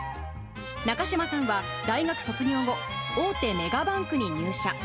中島さんは大学卒業後、大手メガバンクに入社。